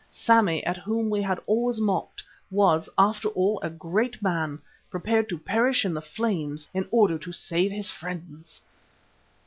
Sammy, at whom we had always mocked, was, after all, a great man, prepared to perish in the flames in order to save his friends!